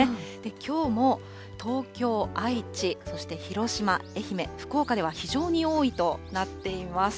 きょうも東京、愛知、そして広島、愛媛、福岡では非常に多いとなっています。